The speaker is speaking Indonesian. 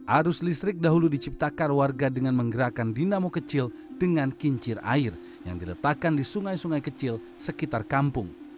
arus listrik dahulu diciptakan warga dengan menggerakkan dinamo kecil dengan kincir air yang diletakkan di sungai sungai kecil sekitar kampung